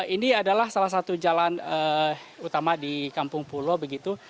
ini adalah salah satu jalan utama di kampung pulo begitu